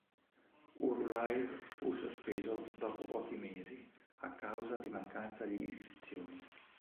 Uru Live fu sospeso dopo pochi mesi a causa di mancanza di iscrizioni.